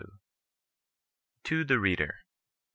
TO THE READER.